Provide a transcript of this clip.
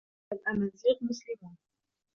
الأمازيغ مسلمون.